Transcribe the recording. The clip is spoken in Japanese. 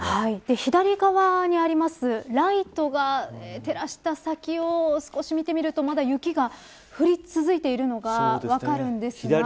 左側にあります、ライトが照らした先を少し見てみるとまだ雪が降り続いているのが分かるんですが。